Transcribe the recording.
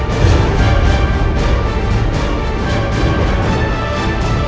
terus kenapa dia beli susu buat ibu hamil ya